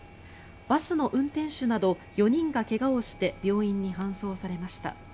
バスの運転手など４人が怪我をして病院に搬送されました。